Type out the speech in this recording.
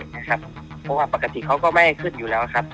เพราะว่าปกติเขาก็ไม่ขึ้นอยู่แล้วครับ